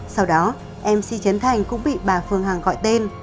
sau đó mc chấn thành cũng bị bà phương hằng gọi tên